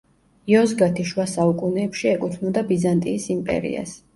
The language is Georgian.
იოზგათი შუა საუკუნეებში ეკუთვნოდა ბიზანტიის იმპერიას.